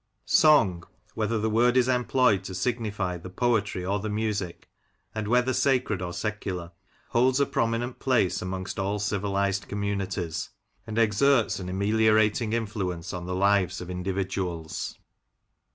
SONG — whether the word is employed to signify the poetry or the music, and whether sacred or secular — holds a prominent place amongst all civilised communities, and exerts an ameliorating influence on the lives of indi viduals.